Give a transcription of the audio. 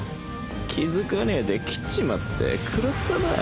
気付かねえで斬っちまって食らったなぁ